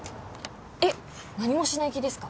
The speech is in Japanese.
えっ何もしない気ですか？